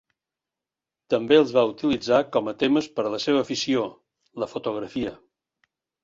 També els va utilitzar com a temes per a la seva afició, la fotografia.